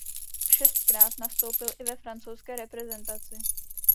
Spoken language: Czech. Šestkrát nastoupil i ve francouzské reprezentaci.